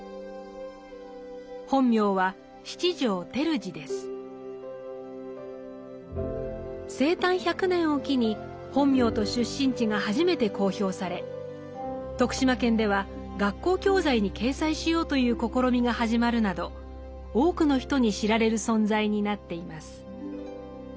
本名は生誕１００年を機に本名と出身地が初めて公表され徳島県では学校教材に掲載しようという試みが始まるなど多くの人に知られる存在になっています。